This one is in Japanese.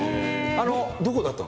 どこで会ったの？